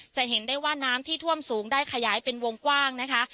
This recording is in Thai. จะเห็นได้ว่าน้ำที่ท่วมสูงได้ขยายเป็นวงกว้างนะคะ